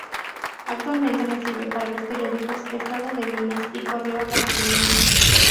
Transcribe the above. Actualmente escribe para los periódicos "Estado de Minas" y "Correo Brasiliense".